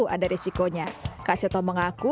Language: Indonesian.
ada risikonya kak seto mengaku